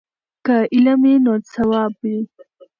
که علم وي نو ثواب وي.